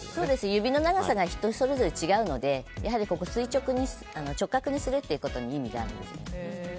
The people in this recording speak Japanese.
指の長さが人それぞれ違うので直角にすることに意味があるんです。